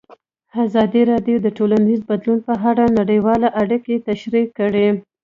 ازادي راډیو د ټولنیز بدلون په اړه نړیوالې اړیکې تشریح کړي.